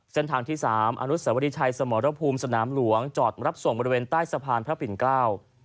เส้นทางที่สามอนุสวรีชัยสมรภูมิสนามหลวงจอดรับส่งบริเวณใต้สะพานพระปิ่นเกล้า